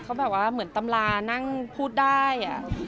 เขาแบบว่าเหมือนตำรานั่งพูดได้